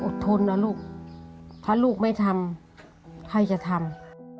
ทนนะลูกถ้าลูกไม่ทำใครจะทำ